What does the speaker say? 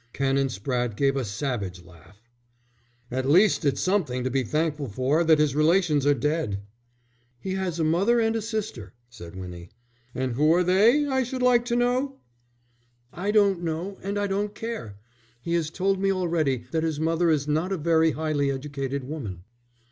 Canon Spratte gave a savage laugh. "At least it's something to be thankful for that his relations are dead." "He has a mother and a sister," said Winnie. "And who are they, I should like to know?" "I don't know and I don't care. He has told me already that his mother is not a very highly educated woman."